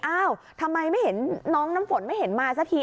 อ้าวทำไมน้องน้ำฝนไม่เห็นมาสักที